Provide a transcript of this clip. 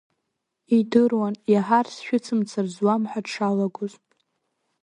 Идыруан, иаҳар сшәыцымцар зуам ҳәа дшалагоз.